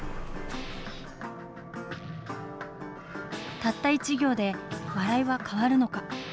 たった１行で笑いは変わるのか。